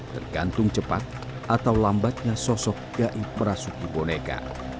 tergantung cepat atau lambatnya sosok gaib merasukinya